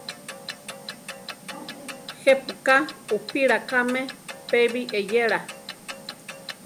¿Je pu ka upíla káme pébi eyéla?